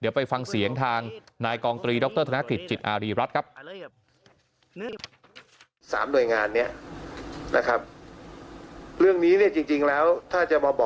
เดี๋ยวไปฟังเสียงทางนายกองตรีดรธนกฤษจิตอารีรัฐครับ